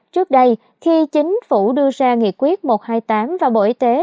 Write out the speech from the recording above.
trước đây khi chính phủ đưa ra nghị quyết một trăm hai mươi tám và bộ y tế